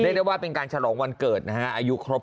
ได้ว่าเป็นการฉลองวันเกิดนะฮะอายุครบ